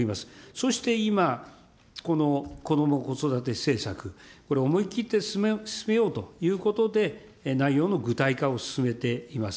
そして今、このこども・子育て政策、これ、思い切って進めようということで、内容の具体化を進めています。